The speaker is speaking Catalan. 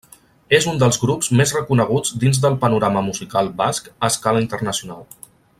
És un dels grups més reconeguts dins del panorama musical basc a escala internacional.